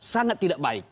sangat tidak baik